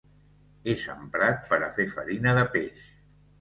És emprat per a fer farina de peix.